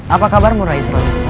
apa kabarmu rai soebaru